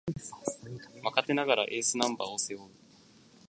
若手ながらエースナンバーを背負う